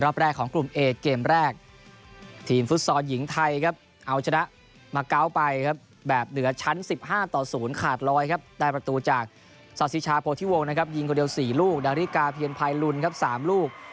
สองเดียวสี่ลูกนาฬิกาเพียรพายรุนครับสามลูก